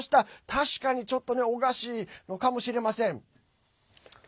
確かに、ちょっとオガシーのかもしれません。